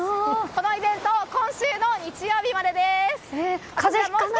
このイベント今週の日曜日までです。